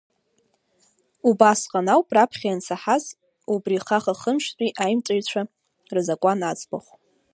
Убасҟан ауп раԥхьа иансаҳаз убри хаха-хымштәи аимҵәаҩцәа рзакәан аӡбахә.